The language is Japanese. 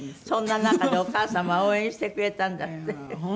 そんな中でお母様は応援してくれたんだって？